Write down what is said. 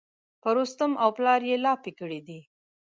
په رستم او پلار یې لاپې کړي دي.